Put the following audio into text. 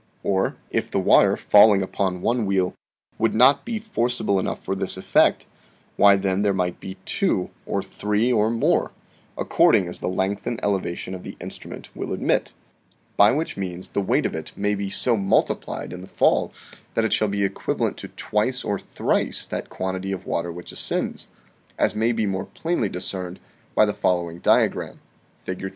Or, if the water, falling upon one wheel, would not be forcible enough for this effect, why then there might be two, or three, or more, according as the length and elevation of the instrument will admit ; by which means the weight of it may be so multiplied in the fall that it shall be equivalent to twice or thrice that quantity of water which ascends ; as may be more plainly discerned by the following diagram (Fig.